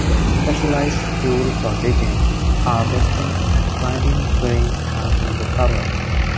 Specialized tools for digging, harvesting and grinding grain have been recovered.